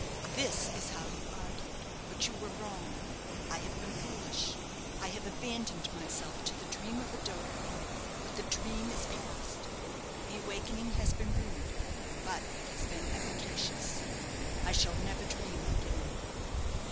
This is how you argued; but you were wrong. I have been foolish. I have abandoned myself to the dream of a dotard; but the dream is past. The awakening has been rude, but it has been efficacious. I shall never dream again."